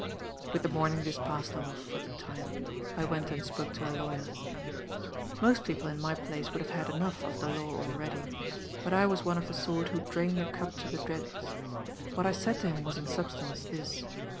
"With the morning this passed off, for the time. I went and spoke to a lawyer. "Most people, in my place, would have had enough of the law already. But I was one of the sort who drain the cup to the dregs. What I said to him was, in substance, this.